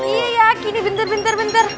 iya ya kini bentar bentar